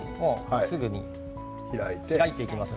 すぐに開いていきます。